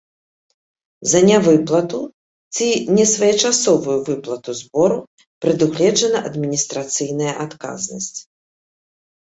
За нявыплату ці несвоечасовую выплату збору прадугледжана адміністрацыйная адказнасць.